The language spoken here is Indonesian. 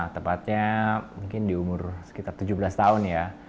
tepatnya mungkin di umur sekitar tujuh belas tahun ya